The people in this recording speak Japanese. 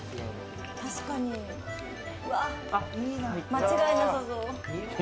間違いなさそう。